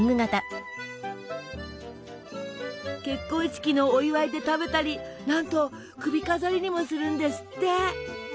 結婚式のお祝いで食べたりなんと首飾りにもするんですって！